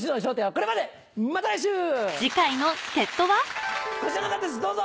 こちらの方ですどうぞ！